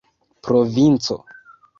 provinco